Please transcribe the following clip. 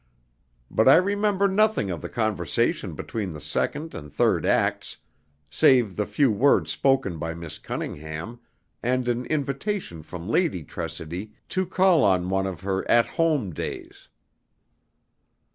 But I remember nothing of the conversation between the second and third acts, save the few words spoken by Miss Cunningham, and an invitation from Lady Tressidy to call on one of her "At Home" days.